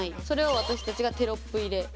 それを私たちがテロップ入れ。